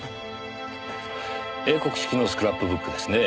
英国式のスクラップブックですねぇ。